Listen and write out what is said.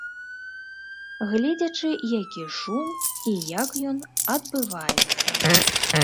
Гледзячы які шум і як ён адбываецца.